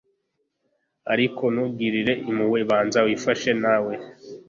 ariko ntugirire impuhwe banza wifashye nawe